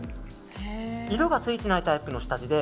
色がついてないタイプの下地で